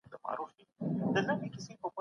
معتده هغه ښځه ده، چي د طلاق يا وفات په عده کي وي.